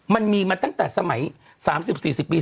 มันมีมาตั้งแต่สมัย๓๐๔๐ปี